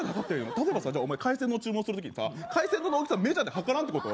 例えばさ海鮮丼を注文する時にさ海鮮丼の大きさメジャーで測らんってこと？